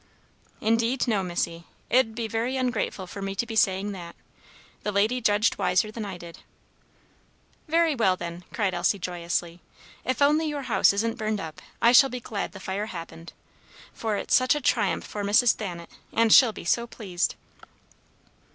"Indeed, no, Missy. It'd be very ungrateful for me to be saying that. The lady judged wiser than I did." "Very well, then," cried Elsie, joyously. "If only your house isn't burned up, I shall be glad the fire happened; for it's such a triumph for Mrs. Thanet, and she'll be so pleased!"